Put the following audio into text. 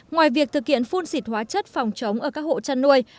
ngoài việc thực hiện phun xịt hóa chất phòng chống ở các hộ chăn nuôi